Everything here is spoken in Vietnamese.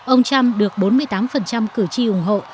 ông trump được bốn mươi tám cử tri ủng hộ